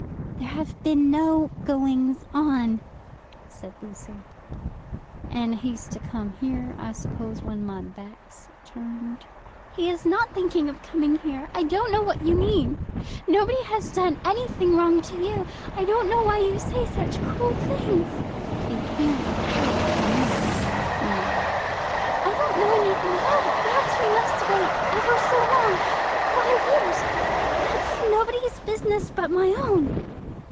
"There have been no goings on," said Lucy. "And he's to come here, I suppose, when my back's turned?" "He is not thinking of coming here. I don't know what you mean. Nobody has done anything wrong to you. I don't know why you say such cruel things." "He can't afford to marry you, you know." "I don't know anything about it. Perhaps we must wait ever so long; five years. That's nobody's business but my own."